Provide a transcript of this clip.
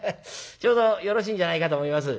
ちょうどよろしいんじゃないかと思います」。